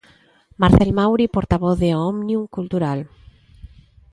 Marcel Mauri. Portavoz de Ómnium Cultural.